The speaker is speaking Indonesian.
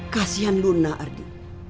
kasian luna ardi